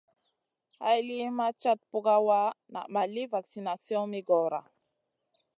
Hay li ma cata pukawa naʼ ma li vaksination mi goora.